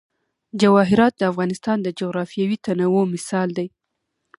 جواهرات د افغانستان د جغرافیوي تنوع مثال دی.